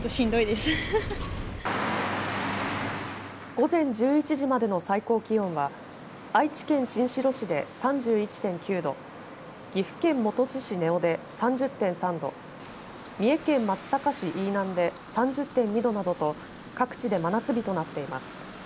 午前１１時までの最高気温は愛知県新城市で３１．９度岐阜県本巣市根尾で３０．３度三重県松阪市飯南で３０．２度などと各地で真夏日となっています。